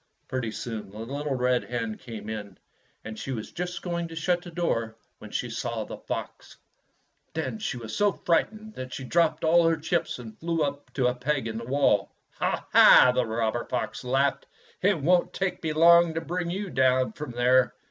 Pretty soon the little red hen came in, and she was just going to shut the door when she saw the fox. Then she was so frightened that she dropped all her chips and fiew up to a peg in the wall. "Ha, ha!" the robber fox laughed, "it won't take me long to bring you down from there."